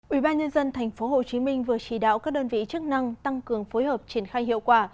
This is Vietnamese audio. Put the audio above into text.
ủy ban nhân dân tp hcm vừa chỉ đạo các đơn vị chức năng tăng cường phối hợp triển khai hiệu quả